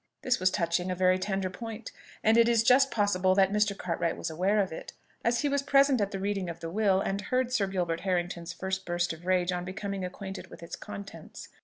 This was touching a very tender point and it is just possible that Mr. Cartwright was aware of it, as he was present at the reading of the will, and heard Sir Gilbert Harrington's first burst of rage on becoming acquainted with its contents.